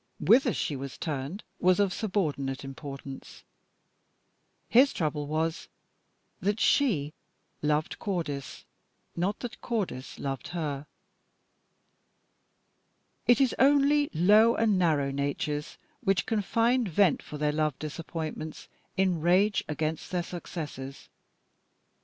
Whither she was turned was of subordinate importance. His trouble was that she loved Cordis, not that Cordis loved her. It is only low and narrow natures which can find vent for their love disappointments in rage against their successors.